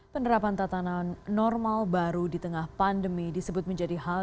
penerapan tatanan normal baru di tengah pandemi disebut menjadi hal